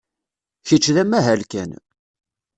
Kečč d amahal kan.